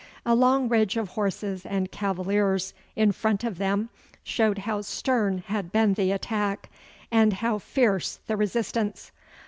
A long ridge of horses and cavaliers in front of them showed how stern had been the attack and how fierce the resistance.